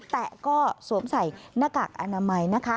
แต่ก็สวมใส่หน้ากากอนามัยนะคะ